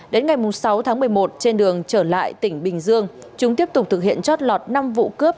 đến ngày sáu tháng một mươi một trên đường trở lại tỉnh bình dương chúng tiếp tục thực hiện chót lọt năm vụ cướp